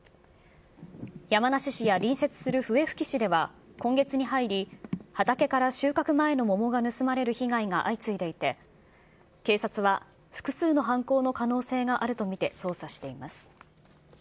山梨市や隣接する笛吹市では、今月に入り、畑から収穫前の桃が盗まれる被害が相次いでいて、警察は複数の犯行の可能性があると見て、捜査しています。